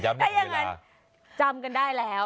ถ้ายังไงจำกันได้แล้ว